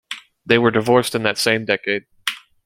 They were divorced in that same decade.